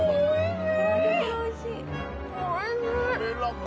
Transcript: おいしい。